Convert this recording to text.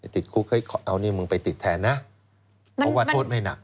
ติดคุกเอานี่มึงไปติดแทนนะเพราะว่าโทษไม่หนัก